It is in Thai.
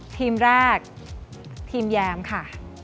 ทีมแรกทีมแยมค่ะ